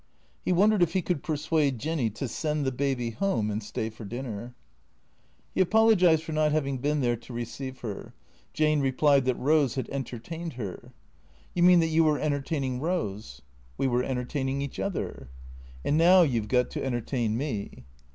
He won dered if he could persuade Jinny to send the baby home and stay for dinner. THE CEEA TORS 369 He apologized for not having been there to receive her. Jane replied that Hose had entertained her. " You mean that you were entertaining Eose ?"" We were entertaining each other." " And now you 've got to entertain me."